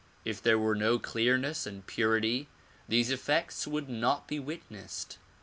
If there were no clearness and purity these effects would not be witnessed.